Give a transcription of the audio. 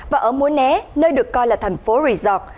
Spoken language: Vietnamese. và ở muối né nơi được coi là thành phố resort